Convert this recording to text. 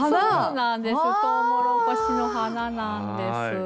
「トウモロコシの花」なんです。